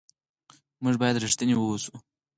موږ باید رښتیني واوسو.